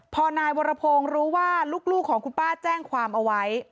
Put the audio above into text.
พอนายวรพงศ์รู้ว่าลูกของคุณป้าแจ้งความเอาไว้